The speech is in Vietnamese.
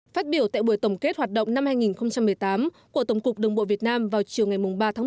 phát biểu tại buổi tổng kết hoạt động năm hai nghìn một mươi tám của tổng cục đường bộ việt nam vào chiều ngày ba tháng một